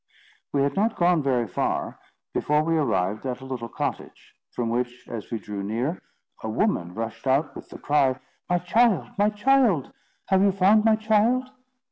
We had not gone very far before we arrived at a little cottage; from which, as we drew near, a woman rushed out with the cry: "My child! my child! have you found my child?"